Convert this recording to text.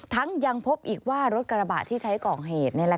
ยังพบอีกว่ารถกระบะที่ใช้ก่อเหตุ